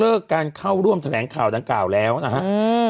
แล้วก็เลิกการเข้าร่วมแถลงข่าวดังกล่าวแล้วนะฮะ